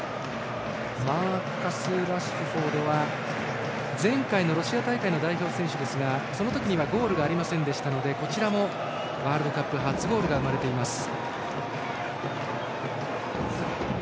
マーカス・ラッシュフォードは前回のロシア大会の代表選手ですがその時にはゴールがありませんでしたのでこちらもワールドカップ初ゴールが生まれています。